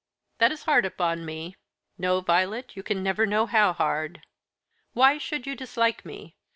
"That is hard upon me no, Violet, you can never know how hard. Why should you dislike me?